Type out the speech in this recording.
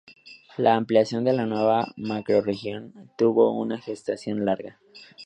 La ampliación de la nueva macrorregión tuvo una gestación larga.